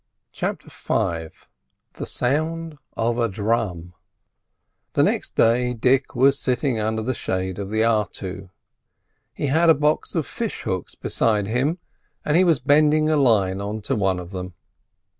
CHAPTER V THE SOUND OF A DRUM The next day Dick was sitting under the shade of the artu. He had the box of fishhooks beside him, and he was bending a line on to one of them.